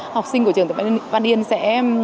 học sinh của trường văn yên sẽ